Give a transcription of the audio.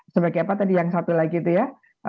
sebagai apa tadi yang satu lagi itu ya